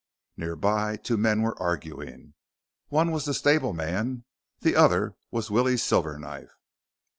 Nearby, two men were arguing. One was the stableman. The other was Willie Silverknife.